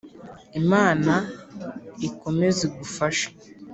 Imana ikomeze igufashe.